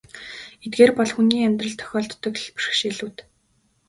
Эдгээр бол хүний амьдралд тохиолддог л бэрхшээлүүд.